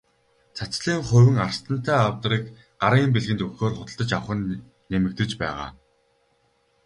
Цацлын хувин, арслантай авдрыг гарын бэлгэнд өгөхөөр худалдаж авах нь нэмэгдэж байгаа.